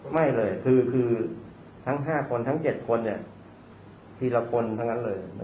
ไม่เลยคือทั้ง๕คนทั้ง๗คนทีละคนทั้งนั้นเลย